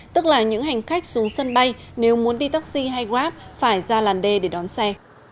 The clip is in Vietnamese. tức là những hành khách xuống sân bay nếu muốn đi taxi hay grab phải ra làn d để đón xe